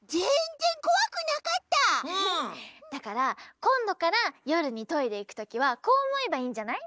だからこんどからよるにトイレいくときはこうおもえばいいんじゃない？